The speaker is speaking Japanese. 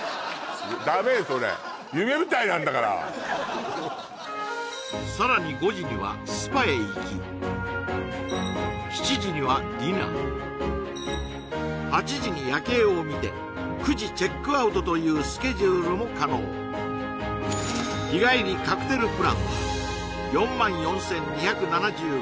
ダメそれさらに５時にはスパへ行き７時にはディナー８時に夜景を見て９時チェックアウトというスケジュールも可能日帰りカクテルプランは４万４２７５円